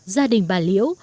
gia đình bà liễu